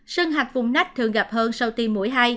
sưng hạch vùng nách thường gặp hơn sau tiêm mũi hai